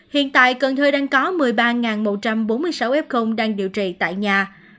hiện tại cần thơ đang có một mươi ba một trăm bốn mươi sáu f đang điều trị tại nhà